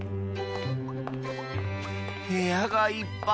へやがいっぱい！